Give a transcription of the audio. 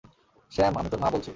Sam, আমি তোর মা বলছি!